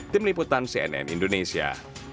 tim liputan cnn indonesia